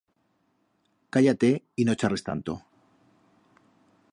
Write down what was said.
Calla-te y no charres tanto.